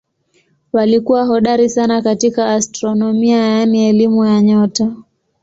Walikuwa hodari sana katika astronomia yaani elimu ya nyota.